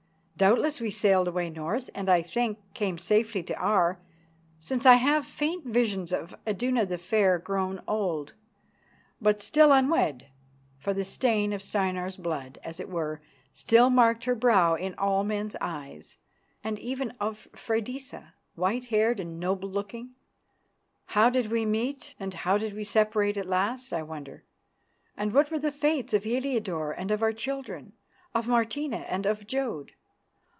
Doubtless we sailed away north, and, I think, came safely to Aar, since I have faint visions of Iduna the Fair grown old, but still unwed, for the stain of Steinar's blood, as it were, still marked her brow in all men's eyes; and even of Freydisa, white haired and noble looking. How did we meet and how did we separate at last, I wonder? And what were the fates of Heliodore and of our children; of Martina and of Jodd?